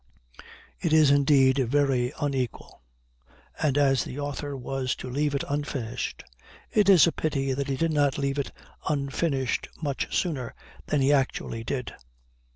It is indeed very unequal, and as the author was to leave it unfinished, it is a pity that he did not leave it unfinished much sooner than he actually did.